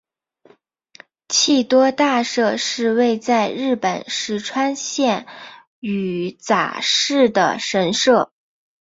气多大社是位在日本石川县羽咋市的神社。